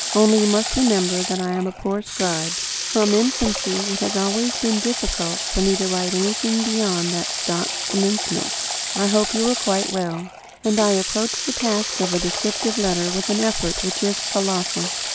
Only you must remember that I am a poor scribe. From infancy it has always been difficult to me to write anything beyond that stock commencement: "I hope you are quite well;" and I approach the task of a descriptive letter with an effort which is colossal.